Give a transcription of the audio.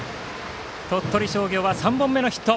鳥取商業、３本目のヒット。